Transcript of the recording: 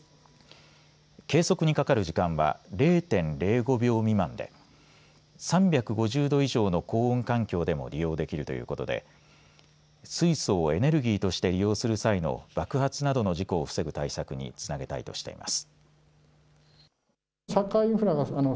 計測にかかる時間は０．０５秒未満で３５０度以上の高温環境でも利用できるということで水素をエネルギーとして利用する際の爆発などの事故を防ぐ対策につなげたいとしています。